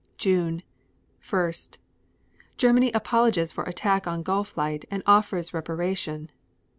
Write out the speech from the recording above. June 1. Germany apologizes for attack on Gulflight and offers reparation.